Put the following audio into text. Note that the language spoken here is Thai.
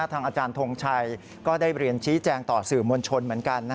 อาจารย์ทงชัยก็ได้เรียนชี้แจงต่อสื่อมวลชนเหมือนกัน